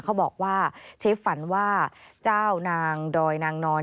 เขาบอกว่าเชฟฝันว่าเจ้านางดอยนางนอน